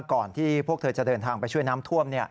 ที่พวกเธอจะเดินทางไปช่วยน้ำท่วม